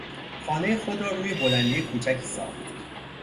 خانهی خود را روی بلندی کوچکی ساخت.